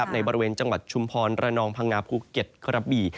ในบริเวณจังหวัดชุมพรระนองพังงาภูเก็ตกระบี่